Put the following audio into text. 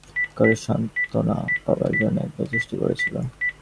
মোতির মার কাছে মন খোলাখুলি করে সাত্ত্বনা পাবার জন্যে একবার চেষ্টা করেছিল।